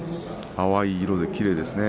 淡い色できれいですね。